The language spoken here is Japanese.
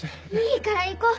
いいから行こう！